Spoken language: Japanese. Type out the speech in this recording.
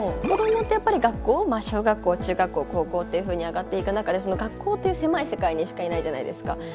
子どもってやっぱり学校小学校中学校高校っていうふうに上がっていく中で学校っていう狭い世界にしかいないじゃないですか。